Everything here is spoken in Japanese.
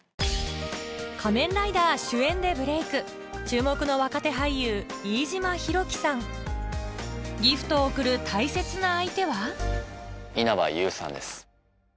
『仮面ライダー』主演でブレイク注目の若手ギフトを贈る大切な相手は稲葉友さんです。